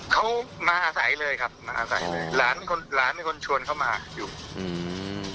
เขามาไหลเลยครับหลานคนชวนเขามาอยู่